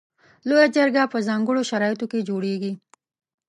لویه جرګه په ځانګړو شرایطو کې جوړیږي.